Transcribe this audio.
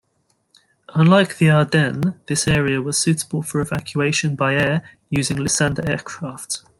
Unlike the Ardennes, this area was suitable for evacuation by air, using Lysander aircraft.